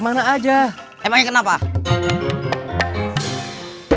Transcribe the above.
kalian khusus sedang tulis dan webinari yang berterusan